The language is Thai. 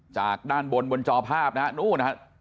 จากด้านบนบนจอภาพนะครับ